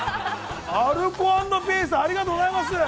アルコ＆ピース、ありがとうございます。